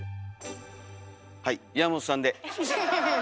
はい山本さんで。